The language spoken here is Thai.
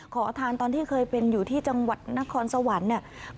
ขอทานตอนที่เคยเป็นอยู่ที่จังหวัดนครสวรรค์เนี่ย